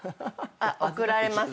怒られますか？